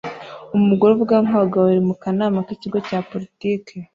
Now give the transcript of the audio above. Umugore avuga nk'abagabo babiri mu kanama k'Ikigo cya Politiki